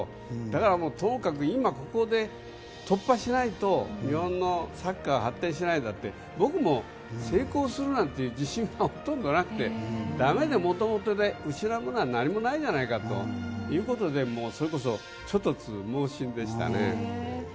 だからともかく今ここで突破しないと日本のサッカーは発展しないって僕も成功するなんていう自信はほとんどなくて駄目で元々で失うものは何もないじゃないかということでそれこそ猪突猛進でしたね。